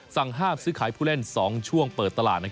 สั่งห้ามซื้อขายผู้เล่น๒ช่วงเปิดตลาด